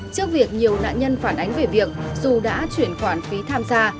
trước việc nhiều nạn nhân phản ánh về việc dù đã chuyển khoản phí tham gia